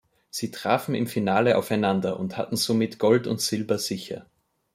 Sie trafen im Finale aufeinander und hatten somit Gold und Silber sicher.